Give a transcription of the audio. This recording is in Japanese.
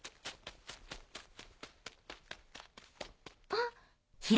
あっ。